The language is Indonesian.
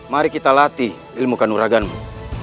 mari kita latih ilmukan uraganmu